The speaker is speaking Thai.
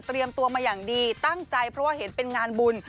ตัวมาอย่างดีตั้งใจเพราะว่าเห็นเป็นงานบุญ